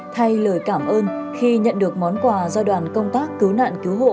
thay lời cảm ơn khi nhận được món quà do đoàn công tác cứu nạn cứu hộ